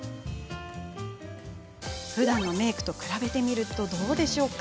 ふだんのメークに比べるとどうでしょう？